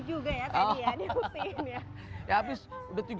juga ya tadi ya diputin ya